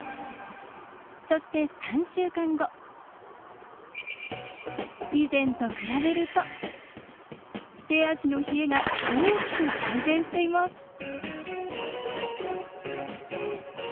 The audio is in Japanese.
そして以前と比べると手足の冷えが大きく改善しています。